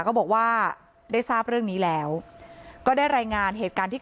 ก็บอกว่าได้ทราบเรื่องนี้แล้วก็ได้รายงานเหตุการณ์ที่